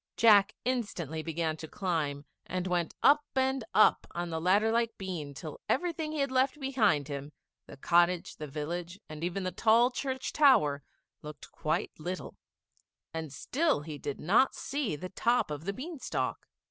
Jack instantly began to climb, and went up and up on the ladder like bean till every thing he had left behind him, the cottage, the village, and even the tall church tower, looked quite little, and still he did not see the top of the bean stalk.